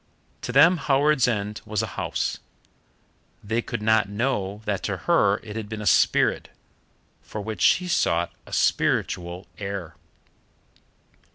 To them Howards End was a house: they could not know that to her it had been a spirit, for which she sought a spiritual heir.